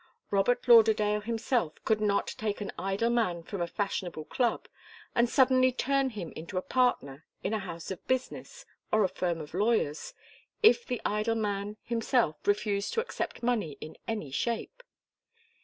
Robert Lauderdale himself could not take an idle man from a fashionable club and suddenly turn him into a partner in a house of business or a firm of lawyers, if the idle man himself refused to accept money in any shape.